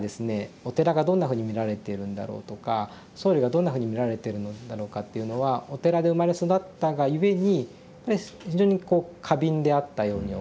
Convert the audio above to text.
お寺がどんなふうに見られているんだろうとか僧侶がどんなふうに見られているのだろうかというのはお寺で生まれ育ったが故に非常にこう過敏であったように思います。